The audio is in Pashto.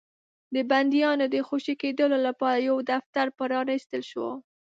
د بنديانو د خوشي کېدلو لپاره يو دفتر پرانيستل شو.